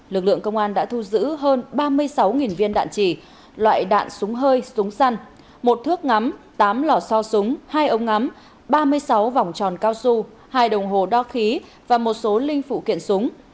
lực lượng công an đã thu giữ hơn ba mươi sáu viên đạn chỉ loại đạn súng hơi súng săn một thước ngắm tám lò so súng hai ống ngắm ba mươi sáu vòng tròn cao su hai đồng hồ đo khí và một số linh phụ kiện súng